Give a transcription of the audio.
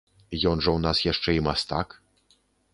Ён жа ў нас яшчэ і мастак!